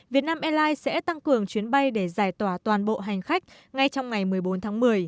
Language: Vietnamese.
việt nam airlines sẽ tăng cường chuyến bay để giải tỏa toàn bộ hành khách ngay trong ngày một mươi bốn tháng một mươi